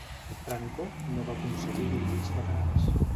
Franco no va aconseguir dividir els catalans.